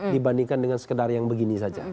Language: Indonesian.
dibandingkan dengan sekedar yang begini saja